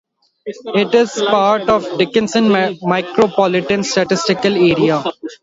It is part of the Dickinson Micropolitan Statistical Area.